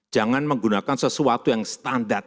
jangan menggunakan sesuatu yang standar